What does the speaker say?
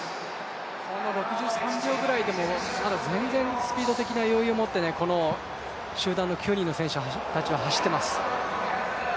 ６３秒ぐらいでもまだ全然スピード的な余裕を持って、この集団の９人の選手たちは走っています。